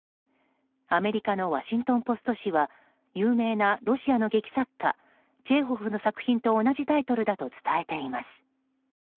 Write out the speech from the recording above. アメリカのワシントン・ポスト紙は有名なロシアの劇作家チェーホフの作品と同じタイトルだと伝えています。